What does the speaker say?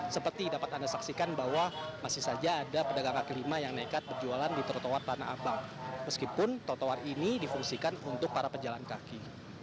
seperti dapat anda saksikan bahwa masih saja ada pedagang kaki lima yang nekat berjualan di trotoar tanah abang meskipun trotoar ini difungsikan untuk para pejalan kaki